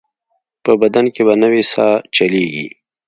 په بدن کې به نوې ساه چلېږي.